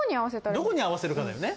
どこに合わせるかだよね。